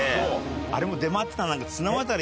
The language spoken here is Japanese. あれも出回ってた何か。